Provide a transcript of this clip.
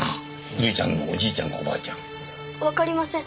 百合ちゃんのおじいちゃんかおばあちゃん分かりません